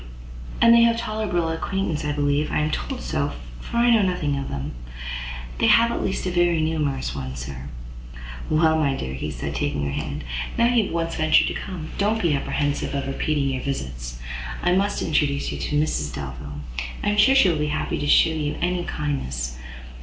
"And they have a tolerable acquaintance, I believe: I am told so; for I know nothing of them." "They have, at least, a very numerous one, sir." "Well, my dear," said he, taking her hand, "now you have once ventured to come, don't be apprehensive of repeating your visits. I must introduce you to Mrs Delvile; I am sure she will be happy to shew you any kindness.